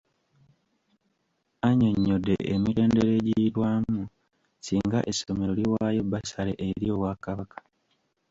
Annyonnyodde emitendera egiyitwamu singa essomero liwaayo bbasale eri Obwakabaka.